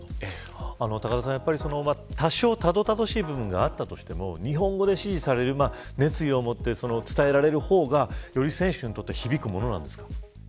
高田さん、やっぱり多少たどたどしい部分があったとしても日本語で指示をされる熱意を持って伝えられる方がより選手にとって響くものなんですか。